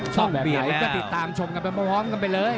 ชอบแบบไหนก็ติดตามชมกันไปพร้อมไปเลย